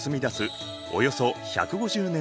およそ１５０年前。